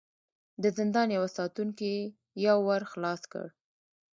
د زندان يوه ساتونکي يو ور خلاص کړ.